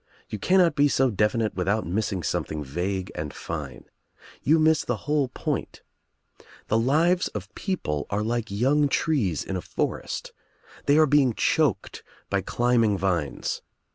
You cannot be so definite without missing something vague and fine. You miss the whole point. The lives of people are like young trees in a forest. They are being choked by climbing vines.